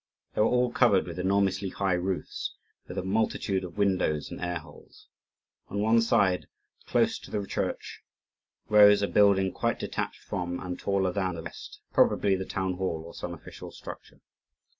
They were all covered with enormously high roofs, with a multitude of windows and air holes. On one side, close to the church, rose a building quite detached from and taller than the rest, probably the town hall or some official structure.